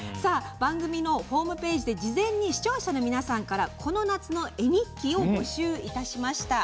番組のホームページで事前に視聴者の皆さんから絵日記を募集いたしました。